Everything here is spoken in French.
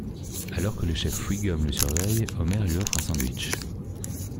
Alors que le chef Wiggum le surveille, Homer lui offre un sandwich.